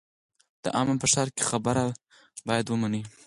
د امن په ښار کې خبره باید ومنې.